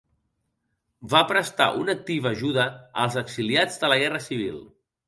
Va prestar una activa ajuda als exiliats de la guerra civil.